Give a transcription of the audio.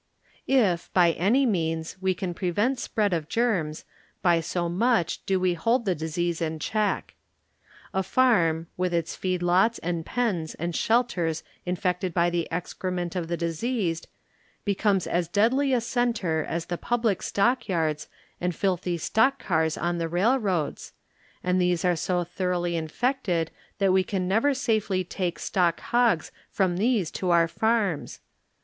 If, by any means, we can prevent spread of germs, by so much do we hold the disease in check. A farm, with its feed lots and pens and shelters infected by the excrement of the diseased, be comes as deadly a centre as the public stock yards and filthy stock cars on the railroads, and these are so thoroughly infected that we can never safely take stock hogs from these to our farms.